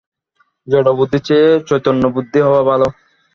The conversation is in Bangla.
জড়বুদ্ধির চেয়ে চৈতন্যবুদ্ধি হওয়া ভাল।